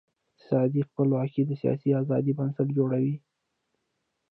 اقتصادي خپلواکي د سیاسي آزادۍ بنسټ جوړوي.